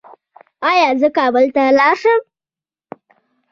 ایا زه کابل ته لاړ شم؟